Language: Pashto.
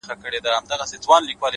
قلم د زلفو يې د هر چا زنده گي ورانوي;